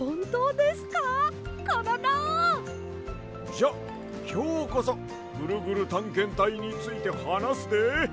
じゃきょうこそ「ぐるぐるたんけんたい」についてはなすで！